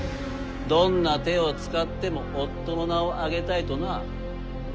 「どんな手を使っても夫の名を上げたい」とな。